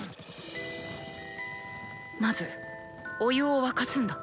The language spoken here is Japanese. まずお湯を沸かすんだ！